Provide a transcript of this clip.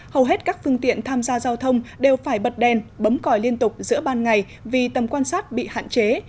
hầu hết các phương tiện tham gia giao thông đều phải bật đèn bấm còi liên tục giữa ban ngày vì tầm quan sát bị hạn chế